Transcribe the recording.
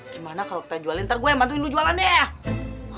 gimana kalau kita jualin ntar gue yang bantuin lu jualan deh ya